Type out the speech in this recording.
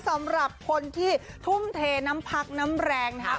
สำหรับคนที่ทุ่มเทน้ำพักน้ำแรงนะครับ